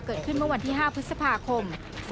เกิดขึ้นเมื่อวันที่๕พฤษภาคม๒๕๖